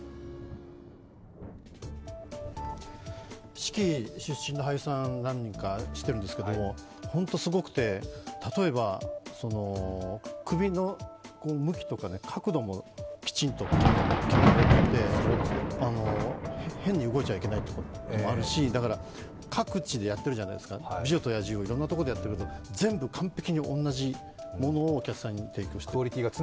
四季出身の俳優さん、何人か知ってるんですけど、本当にすごくて、例えば首の向きとか角度もきちんと決められていて変に動いちゃいけないとかもあるし各地でやってるじゃないですか、「美女と野獣」をいろんなところでやっていると全部、同じ場所でお客さんに提供している。